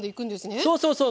そうそうそうそう。